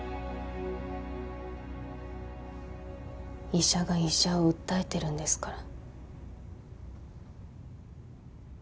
医者が医者を訴えてるんですから。